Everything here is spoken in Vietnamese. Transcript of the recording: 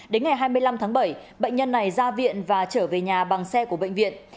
đến ngày hai mươi năm tháng bảy bệnh nhân này ra viện và trở về nhà bằng xe của bệnh viện